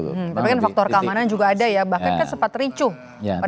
tapi kan faktor keamanan juga ada ya bahkan kan sempat ricuh